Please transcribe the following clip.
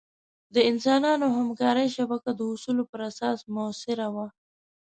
د انسانانو همکارۍ شبکه د اصولو پر اساس مؤثره وه.